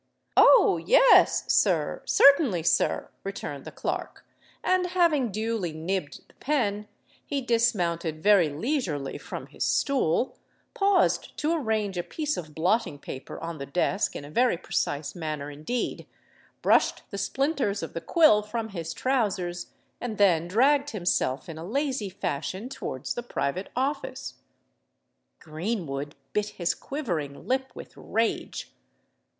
"Oh! yes—sir—certainly, sir," returned the clerk; and, having duly nibbed the pen, he dismounted very leisurely from his stool—paused to arrange a piece of blotting paper on the desk in a very precise manner indeed—brushed the splinters of the quill from his trousers—and then dragged himself in a lazy fashion towards the private office. Greenwood bit his quivering lip with rage.